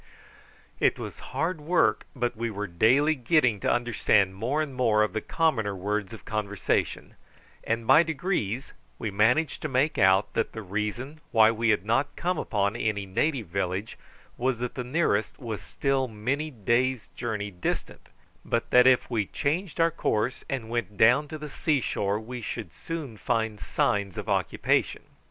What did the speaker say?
It was hard work, but we were daily getting to understand more and more of the commoner words of conversation, and by degrees we managed to make out that the reason why we had not come upon any native village was that the nearest was still many days' journey distant, but that if we changed our course and went down to the sea shore we should soon find signs of occupation.